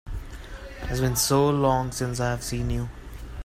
It has been so long since I have seen you!